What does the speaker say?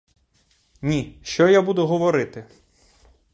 Ні, що я буду говорити!